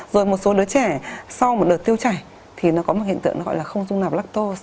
rồi một số đứa trẻ sau một đợt tiêu chảy thì nó có một hiện tượng gọi là không dung nạpto